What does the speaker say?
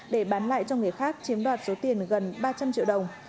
để bán lại cho người khác chiếm đoạt số tiền gần ba trăm linh triệu đồng